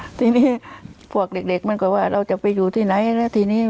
ทีนี้พวกเด็กมันก็ว่าเราจะไปอยู่ที่ไหนแล้วทีนี้